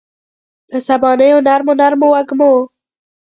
په سبانیو نرمو، نرمو وږمو